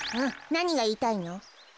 なにがいいたいの？